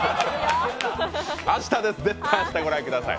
明日です、絶対明日、ご覧ください。